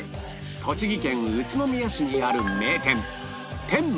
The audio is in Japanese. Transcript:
栃木県宇都宮市にある名店天馬